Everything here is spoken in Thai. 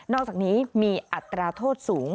อกจากนี้มีอัตราโทษสูง